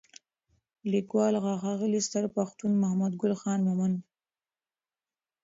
لیکوال: ښاغلی ستر پښتون محمدګل خان مومند